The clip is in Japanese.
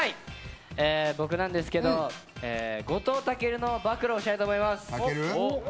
僕なんですけど後藤威尊の暴露をしたいと思います。